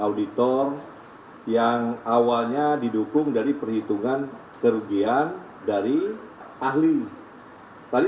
auditor yang awalnya didukung dari perhitungan kerugian dari ahli tadi